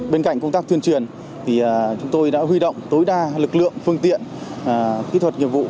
bên cạnh công tác tuyên truyền thì chúng tôi đã huy động tối đa lực lượng phương tiện kỹ thuật nghiệp vụ